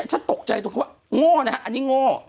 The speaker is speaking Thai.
ฉันตกใจตรงว่าง่อมาอันนี้ง่อ